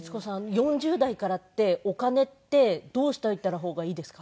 ４０代からってお金ってどうしておいた方がいいですか？